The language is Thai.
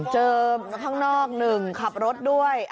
ข้างนอกหนึ่งขับรถด้วย